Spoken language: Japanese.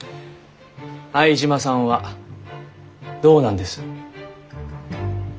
相島さんはどうなんです？